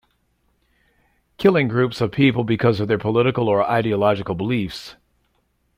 Killing groups of people because of their political or ideological beliefs.